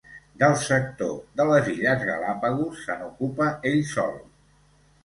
Del sector de les Illes Galápagos se n'ocupà ell sol.